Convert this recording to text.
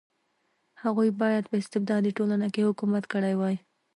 هغوی باید په استبدادي ټولنه کې حکومت کړی وای.